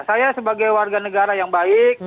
saya sebagai warga negara yang baik